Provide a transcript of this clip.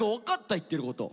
言ってること。